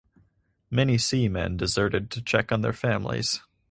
Many seamen deserted to check on their families.